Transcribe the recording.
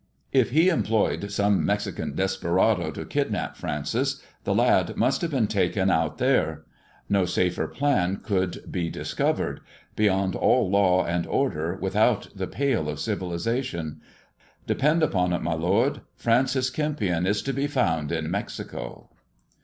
If he employed some Mexican desperado to kidnap Francis, the lad must have been taken out there. No safer plan could be discovered. Beyond all law and order, without the pale of civilization. Depend upon it, my lord, Francis Kempion is to be found in Mexico."